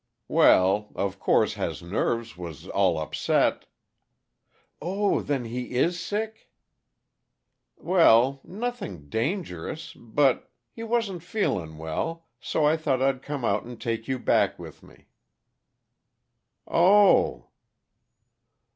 "Well of course has nerves was all upset " "Oh! Then he is sick?" "Well nothing dangerous, but he wasn't feelin' well, so I thought I'd come out and take you back with me." "Oh!"